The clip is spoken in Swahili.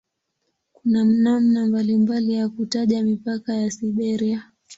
Kuna namna mbalimbali ya kutaja mipaka ya "Siberia".